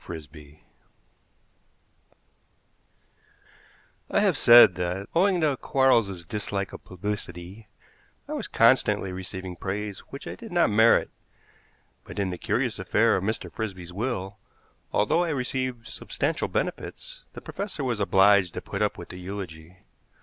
FRISBY I have said that, owing to Quarles's dislike of publicity, I was constantly receiving praise which I did not merit; but in the curious affair of Mr. Frisby's will, although I received substantial benefits, the professor was obliged to put up with the eulogy.